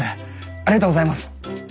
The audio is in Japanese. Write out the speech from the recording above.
ありがとうございます！